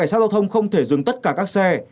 cảnh sát giao thông không thể dừng tất cả các xe